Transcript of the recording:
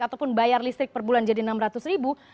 ataupun bayar listrik per bulan jadi rp enam ratus